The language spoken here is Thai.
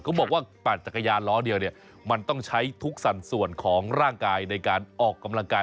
เขาบอกว่าปั่นจักรยานล้อเดียวเนี่ยมันต้องใช้ทุกสั่นส่วนของร่างกายในการออกกำลังกาย